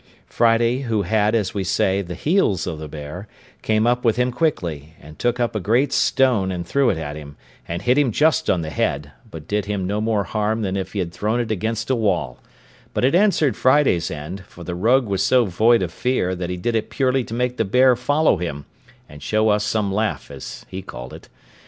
Friday, who had, as we say, the heels of the bear, came up with him quickly, and took up a great stone, and threw it at him, and hit him just on the head, but did him no more harm than if he had thrown it against a wall; but it answered Friday's end, for the rogue was so void of fear that he did it purely to make the bear follow him, and show us some laugh as he called it.